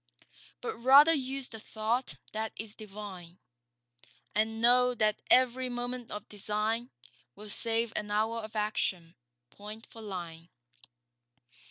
But rather use the thought that is divine; And know that every moment of design Will save an hour of action, point for line.